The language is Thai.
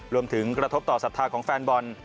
รวมถึงกระทบต่อศัตริย์ภาคของแฟนบอล